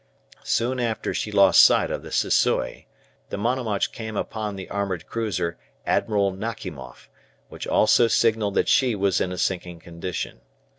Soon after she lost sight of the "Sissoi," the "Monomach" came upon the armoured cruiser "Admiral Nakhimoff," which also signalled that she was in a sinking condition.